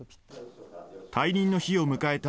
退任の日を迎えた